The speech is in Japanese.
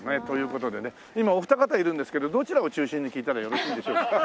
という事でね今お二方いるんですけどどちらを中心に聞いたらよろしいでしょうか？